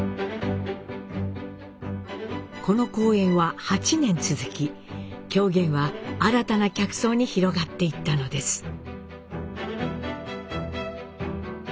この公演は８年続き狂言は新たな客層に広がっていったのです。